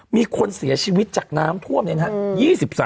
มีคนเสียชีวิตจากน้ำท่วมเนี่ยนะครับ